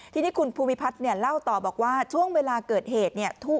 ทีนี้คุณภูวิพัฒน์เล่าต่อบอกว่าช่วงเวลาเกิดเหตุเนี่ย